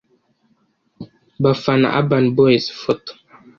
bafana Urban Boys/Photo